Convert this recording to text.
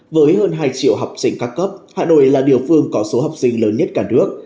với hơn hai triệu học sinh các cấp hà nội là địa phương có số học sinh lớn nhất cả nước